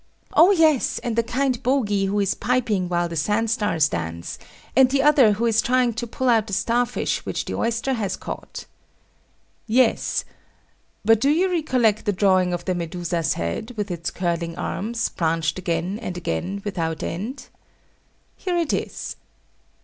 Oh yes, and the kind bogie who is piping while the sandstars dance; and the other who is trying to pull out the star fish which the oyster has caught. Yes. But do you recollect the drawing of the Medusa's head, with its curling arms, branched again and again without end? Here it is.